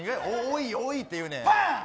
おい、おい！っていうねん。